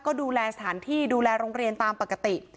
ก็ดูแลสถานที่ดูแลโรงเรียนตามปกติ